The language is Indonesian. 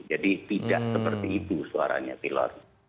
jadi tidak seperti itu suaranya pilot